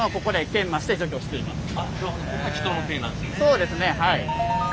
そうですねはい。